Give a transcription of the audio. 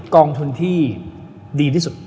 กองทุนที่ดีที่สุด